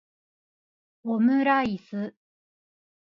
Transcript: omuraisu